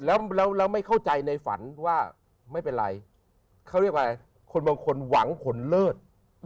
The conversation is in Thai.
แล้วไม่เข้าใจในฝันว่าไม่เป็นไรเขาเรียกว่าอะไรคนบางคนหวังผลเลิศ